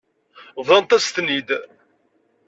Bḍant-as-ten-id.